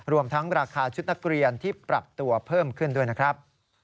รวมทั้งราคาชุดนักเรียนที่ปรับตัวเพิ่มขึ้นด้วยนะครับ